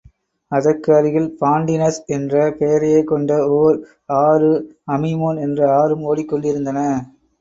அதற்கு அருகில் பான்டினஸ் என்ற பெயரையே கொண்ட ஓர் ஆறு அமிமோன் என்ற ஆறும் ஓடிக்கொண்டிருந்தன.